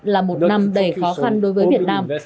hai nghìn hai mươi một là một năm đầy khó khăn đối với việt nam